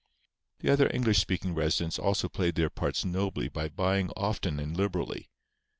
The other English speaking residents also played their parts nobly by buying often and liberally.